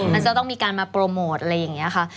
มันจะต้องมีการมาโปรโมทอะไรอย่างนี้ค่ะ